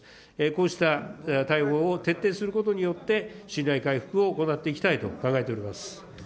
こうした対応を徹底することによって、信頼回復を行っていきたいと考えております。